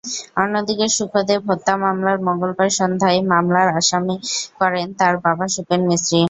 অন্যদিকে সুখদেব হত্যা মামলায় মঙ্গলবার সন্ধ্যায় মামলা করেন তাঁর বাবা সুপেন মিস্ত্রি।